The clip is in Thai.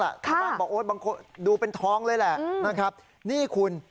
ชาวบ้านบอกโอ๊ยบางคนดูเป็นทองเลยแหละนะครับนี่คุณ